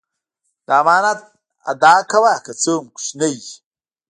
د امانت ادا کوه که څه هم کوچنی وي.